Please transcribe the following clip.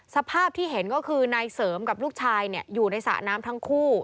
สภาพที่เห็นก็คือนายเสริมกับลูกชายอยู่ในสระน้ำทั้งคู่